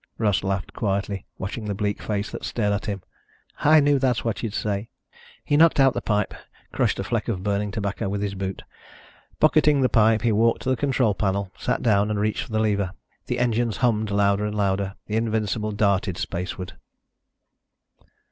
Russ laughed quietly, watching the bleak face that stared at him. "I knew that's what you'd say." He knocked out the pipe, crushed a fleck of burning tobacco with his boot. Pocketing the pipe, he walked to the control panel, sat down and reached for the lever. The engines hummed louder and louder. The Invincible darted spaceward.